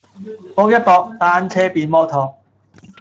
搏一搏，單車變摩托